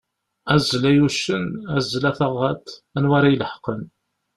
Azzel ay uccen, azzel a taɣaḍt anwa ara ileḥqen.